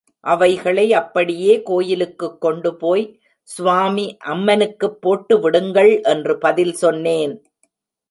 அவைகளை அப்படியே கோயிலுக்குக் கொண்டுபோய், ஸ்வாமி, அம்மனுக்குப் போட்டுவிடுங்கள்! என்று பதில் சொன்னேன்.